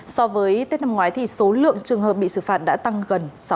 so với tết năm ngoái số lượng trường hợp bị xử phạt đã tăng gần sáu lần